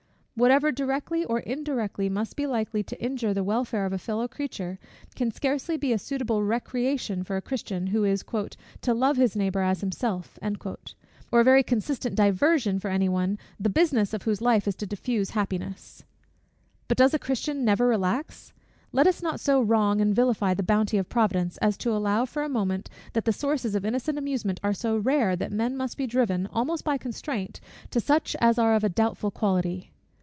Whatever directly or indirectly must be likely to injure the welfare of a fellow creature, can scarcely be a suitable recreation for a Christian, who is "to love his neighbour as himself;" or a very consistent diversion for any one, the business of whose life is to diffuse happiness. But does a Christian never relax? Let us not so wrong and vilify the bounty of Providence, as to allow for a moment that the sources of innocent amusement are so rare, that men must be driven, almost by constraint, to such as are of a doubtful quality.